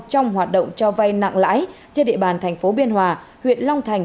trong hoạt động cho vay nặng lãi trên địa bàn tp biên hòa huyện long thành